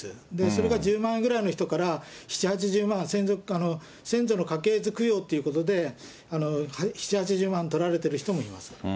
それが１０万円ぐらいの人から、７、８０万、先祖の家系図供養ということで、７、８０万くらい取られてる人もいます。